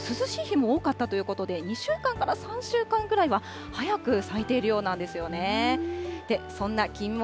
ことしはちょっと涼しい日も多かったということで、２週間から３週間ぐらいは早く咲いているようなんですよね。